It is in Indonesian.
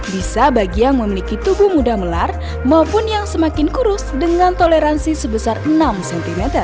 bisa bagi yang memiliki tubuh muda melar maupun yang semakin kurus dengan toleransi sebesar enam cm